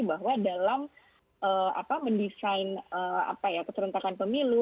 bahwa dalam mendesain keserentakan pemilu